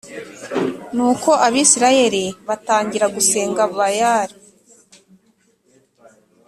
Nuko Abisirayeli batangira gusenga Bayali